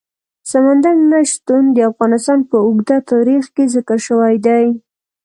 سمندر نه شتون د افغانستان په اوږده تاریخ کې ذکر شوی دی.